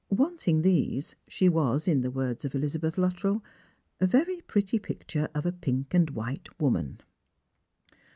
Wanting these, she was, in the words of Elizabeth Luttrell, a very pretty picture of a pink and white woman.